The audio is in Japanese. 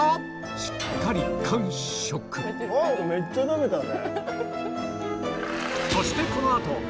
しっかりめっちゃ食べたね。